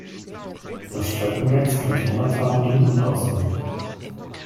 Das Streckennetz kennt Jonathan in- und auswendig.